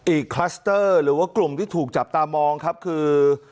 คลัสเตอร์หรือว่ากลุ่มที่ถูกจับตามองครับคือ